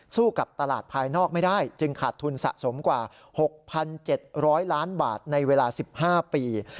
กับตลาดภายนอกไม่ได้จึงขาดทุนสะสมกว่า๖๗๐๐ล้านบาทในเวลา๑๕ปี